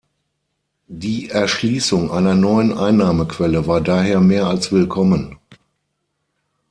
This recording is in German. Die Erschließung einer neuen Einnahmequelle war daher mehr als willkommen.